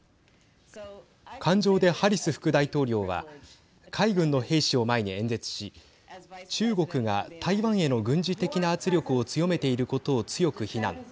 艦上で、ハリス副大統領は海軍の兵士を前に演説し中国が台湾への軍事的な圧力を強めていることを強く非難。